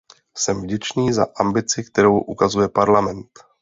Jsem vděčný za ambici, kterou ukazuje Parlament.